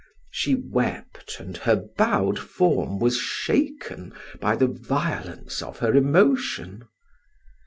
She wept and her bowed form was shaken by the violence of her emotion.